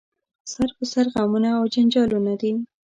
سر په سر غمونه او جنجالونه دي